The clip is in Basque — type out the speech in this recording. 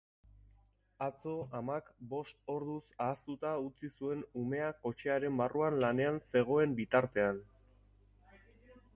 Atzo amak bost orduz ahaztuta utzi zuen umea kotxearen barruan lanean zegoen bitartean.